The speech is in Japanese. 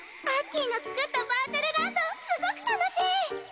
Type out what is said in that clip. アッキーの作ったバーチャルランドすごく楽しい！